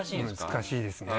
難しいですね。